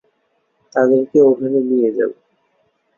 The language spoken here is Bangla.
তাদেরকে ওখানে নিয়ে যাও।